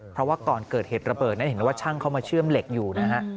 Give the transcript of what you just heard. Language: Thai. เพราะว่าก่อนเกิดเหตุระเบิดเห็นว่าช่างเข้ามาเชื่อมเหล็กอยู่นะฮะ